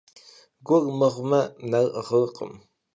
Gur mığme, ner ğırkhım.